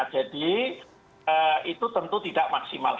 jadi itu tentu tidak maksimal